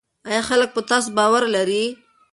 آیا خلک په تاسو باور لري؟